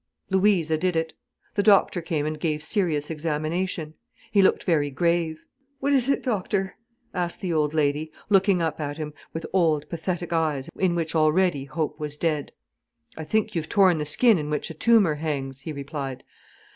Louisa did it. The doctor came and gave serious examination. He looked very grave. "What is it, doctor?" asked the old lady, looking up at him with old, pathetic eyes in which already hope was dead. "I think you've torn the skin in which a tumour hangs," he replied.